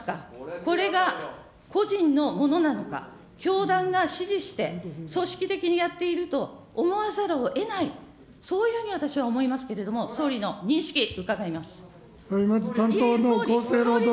これが個人のものなのか、教団が指示して、組織的にやっていると思わざるをえない、そういうふうに私は思いますけれども、総理の認識伺います。